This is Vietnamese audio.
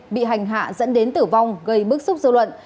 bị hành hạ dẫn đến tử vong gây bức xúc dư luận